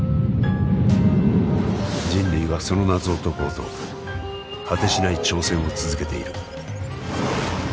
人類はその謎を解こうと果てしない挑戦を続けている。